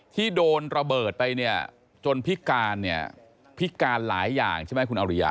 ที่โดนระเบิดไปจนพิการพิการหลายอย่างใช่ไหมคุณอริยา